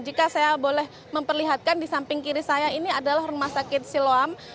jika saya boleh memperlihatkan di samping kiri saya ini adalah rumah sakit siloam